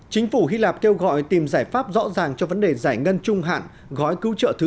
ba mươi chín chính phủ hy lạp kêu gọi tìm giải pháp rõ ràng cho vấn đề giải ngân trung hạn gói cứu trợ thứ